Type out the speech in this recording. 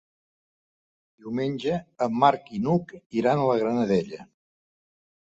Diumenge en Marc i n'Hug iran a la Granadella.